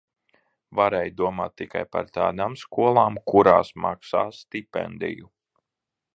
Varēja domāt tikai par tādām skolām, kurās maksā stipendiju.